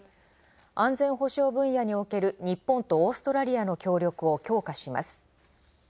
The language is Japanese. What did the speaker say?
安全保障分野における日本とオーストラリアの協力を強化します。